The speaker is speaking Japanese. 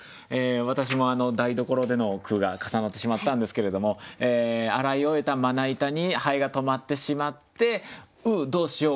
私も台所での句が重なってしまったんですけれども洗い終えたまな板に蠅が止まってしまって「うっどうしよう